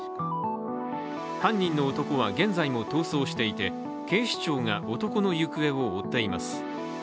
犯人の男は現在も逃走していて、警視庁が男の行方を追っています。